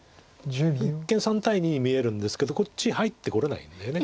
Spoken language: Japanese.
一見３対２に見えるんですけどこっち入ってこれないんだよね。